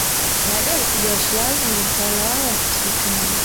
Baadae walikuja Washirazi na utawala wao wa kisultani